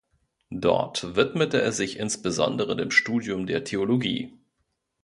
Dort widmete er sich insbesondere dem Studium der Theologie.